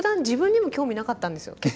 自分にも興味なかったんですよ